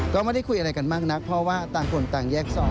ก็ไม่ได้คุยอะไรกันมากนักเพราะว่าต่างคนต่างแยกซอ